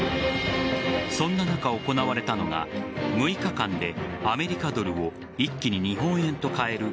そんな中、行われたのが６日間でアメリカドルを一気に日本円へと替える